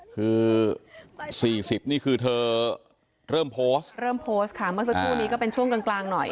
คือ๔๐นี่คือเธอเริ่มโพสต์เริ่มโพสต์ค่ะเมื่อสักครู่นี้ก็เป็นช่วงกลางหน่อย